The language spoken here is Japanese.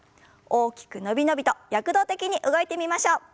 大きく伸び伸びと躍動的に動いてみましょう。